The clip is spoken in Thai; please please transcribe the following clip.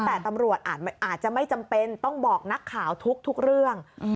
แต่ตำรวจอาจจะไม่จำเป็นต้องบอกนักข่าวทุกเรื่อง